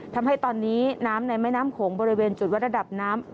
ทำให้ตอนนี้น้ำในแม่น้ำโขงบริเวณจุดวัดระดับน้ำ